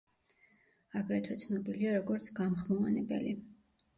აგრეთვე ცნობილია, როგორც გამხმოვანებელი.